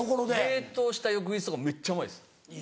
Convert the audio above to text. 冷凍した翌日とかめっちゃうまいです。